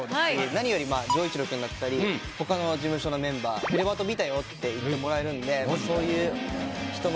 何より丈一郎君だったり他の事務所のメンバー。って言ってもらえるんでそういう人の。